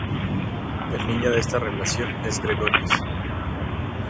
El niño de esta relación es Gregorius.